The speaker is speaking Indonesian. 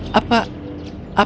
mereka berdua berdua